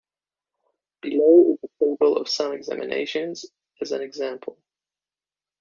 Below is a table of some examinations as an example.